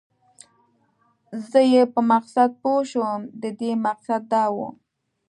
زه یې په مقصد پوه شوم، د دې مقصد دا و.